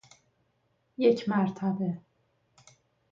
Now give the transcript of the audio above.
یک مرتبه